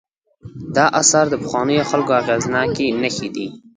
دا آثار د پخوانیو خلکو اغېزناکې نښې دي.